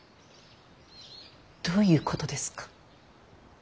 どういうことですか。